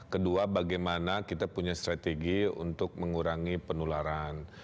kedua bagaimana kita punya strategi untuk mengurangi penularan